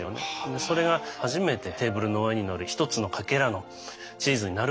それが初めてテーブルの上に載る１つのかけらのチーズになるわけなんですね。